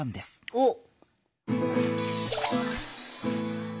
おっ。